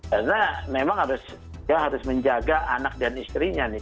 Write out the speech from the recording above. karena memang dia harus menjaga anak dan istrinya nih